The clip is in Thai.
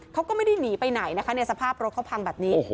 เขาก็ไม่ได้หนีไปไหนนะคะในสภาพรถเขาพังแบบนี้